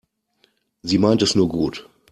Sie meint es nur gut.